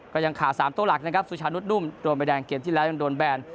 ก็ยังขาด๓ตัวหลักนะครับสุชานุษนุ่มโดนใบแดงเกมที่แล้วยังโดนแบน